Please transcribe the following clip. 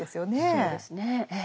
そうですねええ。